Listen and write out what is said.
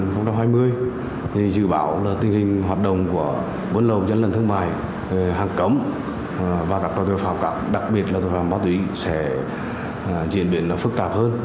thì dự báo là tình hình hoạt động của buôn lậu ra lận thương mại hàng cấm và các loại tội phạm đặc biệt là tội phạm bá tủy sẽ diễn biến phức tạp hơn